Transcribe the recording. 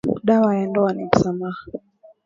Dawa ya ndowa ni musamaha